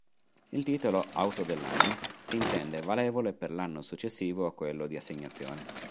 Il titolo "Auto dell'anno" si intende valevole per l'anno successivo a quello di assegnazione.